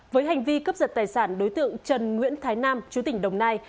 với hành vi cấp dật tài sản đối tượng trần nguyễn thái nam chú tỉnh đồng nai